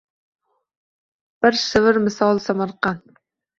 Bir shivir misoli Samarqand